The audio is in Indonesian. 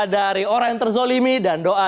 dari orang yang terzolimi dan doa